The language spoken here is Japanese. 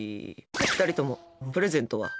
２人とも、プレゼントは？